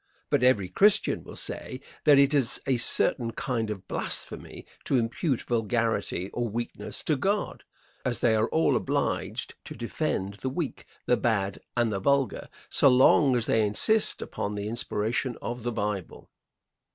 But every Christian will say that it is a certain kind of blasphemy to impute vulgarity or weakness to God, as they are all obliged to defend the weak, the bad and the vulgar, so long as they insist upon the inspiration of the Bible.